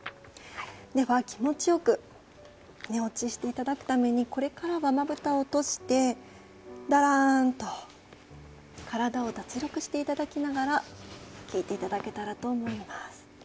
では気持ちよく寝落ちしていただくためにこれからは、まぶたを閉じてだらーんと体を脱力していただきながら聞いていただけたらと思います。